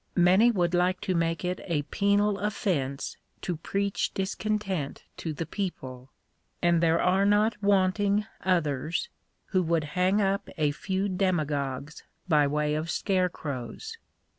Many would like to make it a penal offence to preach discontent to the people ; and there are not wanting others who would hang up a few demagogues by way of scarecrows.